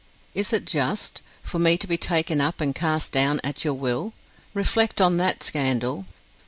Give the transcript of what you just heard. Is it just, for me to be taken up and cast down at your will? Reflect on that scandal!